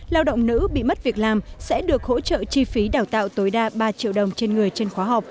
lao động nữ bị mất việc làm sẽ được hỗ trợ chi phí đào tạo tối đa ba triệu đồng trên người trên khóa học